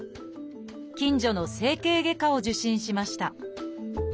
近所の整形外科を受診しました。